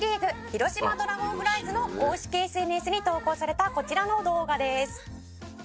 広島ドラゴンフライズの公式ＳＮＳに投稿されたこちらの動画です」